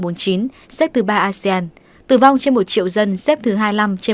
tử vong trên một triệu dân xếp thứ hai mươi năm trên bốn mươi chín quốc gia vùng lãnh thổ châu á xếp thứ bốn asean